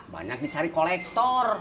banyak dicari kolektor